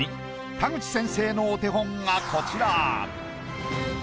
田口先生のお手本がこちら。